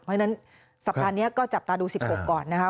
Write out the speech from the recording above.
เพราะฉะนั้นสัปดาห์นี้ก็จับตาดู๑๖ก่อนนะคะ